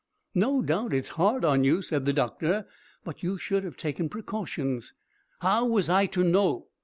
"No doubt it's hard on you," said the doctor. "But you should have taken precautions." "How was I to know?"